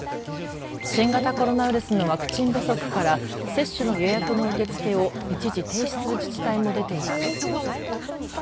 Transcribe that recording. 新型コロナウイルスのワクチン不足から接種の予約の受け付けを一時停止する自治体も出ています。